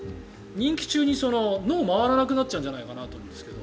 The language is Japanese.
任期中に脳が回らなくなっちゃうんじゃないかと思いますけど。